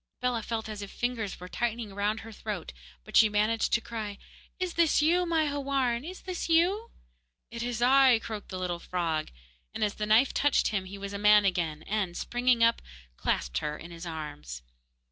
Bellah felt as if fingers were tightening round her throat, but she managed to cry: 'Is this you, my Houarn? Is this you?' 'It is I,' croaked the little frog; and as the knife touched him he was a man again, and, springing up, he clasped her in his arms.